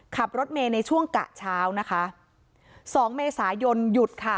ขับรถเมย์ในช่วงกะเช้านะคะสองเมษายนหยุดค่ะ